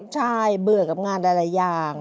ใช่เบื่อกับงานหลายอย่าง